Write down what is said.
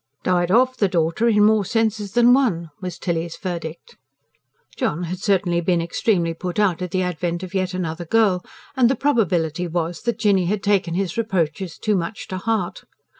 "Died OF the daughter, in more senses than one," was Tilly's verdict. John had certainly been extremely put out at the advent of yet another girl; and the probability was that Jinny had taken his reproaches too much to heart.